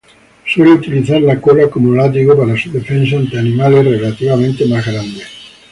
Suelen utilizar la cola como látigo para su defensa ante animales relativamente más grandes.